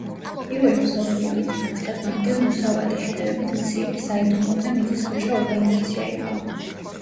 პირველი მსოფლიო ომის დაწყებამდე, მუსავატი შედარებით მცირე, საიდუმლო და მიწისქვეშა ორგანიზაცია იყო.